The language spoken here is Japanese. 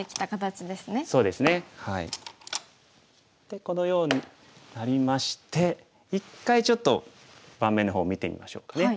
でこのようになりまして一回ちょっと盤面の方見てみましょうかね。